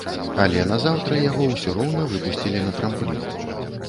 Але назаўтра яго ўсё роўна выпусцілі на трамплін.